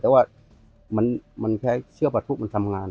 แต่ว่ามันใช้เชื้อประทุมันทำงาน